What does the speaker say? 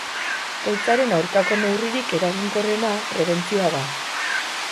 Gaitzaren aurkako neurririk eraginkorrena prebentzioa da.